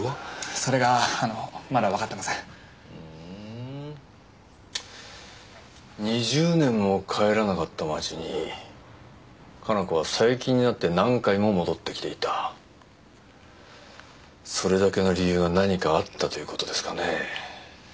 それがあのまだ分かってませんふん２０年も帰らなかった町に加奈子は最近になって何回も戻ってきていたそれだけの理由が何かあったということですかね